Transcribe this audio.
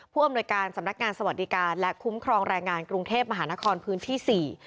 อำนวยการสำนักงานสวัสดิการและคุ้มครองแรงงานกรุงเทพมหานครพื้นที่สี่